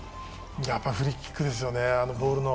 やっぱフリーキックですよね、ボールの、